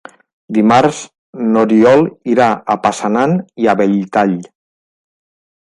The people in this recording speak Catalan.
Dimarts n'Oriol irà a Passanant i Belltall.